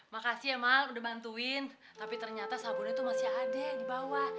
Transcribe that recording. makasih ya emang udah bantuin tapi ternyata sabunnya tuh masih ada di bawah